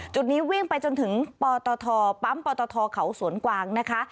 จุดนี้วิ่งไปจนถึงปตทปั๊มปตทเขาสวนกวางนะคะ